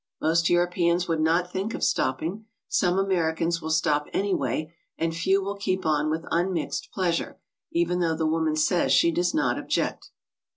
Most Europeans would not think of stopping. Some Americans will stop any way, and few will keep on with unmixed pleasure, even though the woman says .she does not object.